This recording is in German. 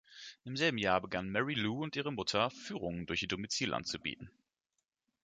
Im selben Jahr begannen Mary Lou und ihre Mutter Führungen durch ihr Domizil anzubieten.